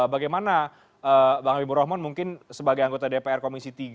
bagaimana bang habibur rahman mungkin sebagai anggota dpr komisi tiga